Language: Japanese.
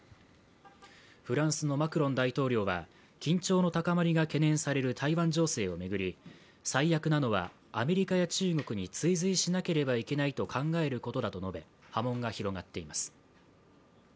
フランスのマクロン大統領は緊張の高まりが懸念される台湾情勢を巡り、最悪なのはアメリカや中国に追随しなければいけないと考えることだと述べ、波紋が広がっています。